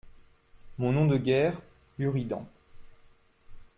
Mon nom de guerre, Buridan.